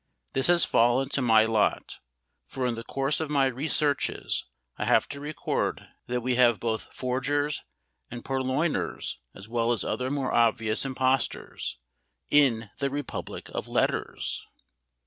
This has fallen to my lot, for in the course of my researches, I have to record that we have both forgers and purloiners, as well as other more obvious impostors, in the republic of letters!